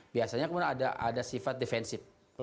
biasanya kemudian ada sifat defensif